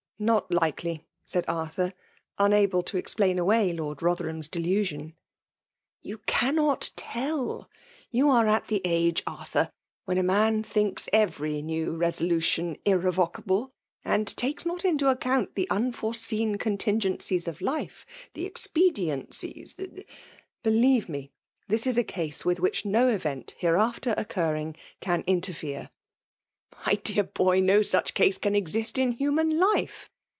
" Not l&ely," said Arttiur, unable to ei|>laia away Lor4 Botherham's delusion. '* You cannot tell. You are at the age* Arthur^ when a zoan thinks every new resolu tion irrevocable^ and takes not into account the unforeseen contingencies of life^ ^ the ex pediences,— the '*'* Believe me this is a case with which no event, hereafter occurringp can interfere/* '' My dear boy> no such case can exist in hnnan life